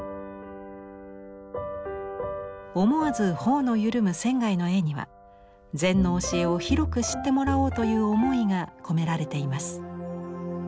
思わず頬の緩む仙の絵には禅の教えを広く知ってもらおうという思いが込められています。